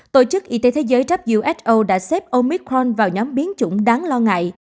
tổ chức y tế thế giới who đã xếp omicron vào nhóm biến chủng đáng lo ngại